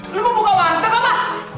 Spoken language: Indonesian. lu mau buka warung gak apa